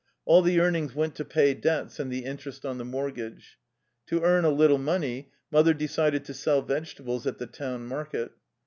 All the earnings went to pay debts and the interest on the mortgage. To earn a little money, mother decided to sell vegetables at the town market.